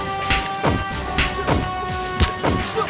aku tidak ingin memiliki ibu iblis seperti mu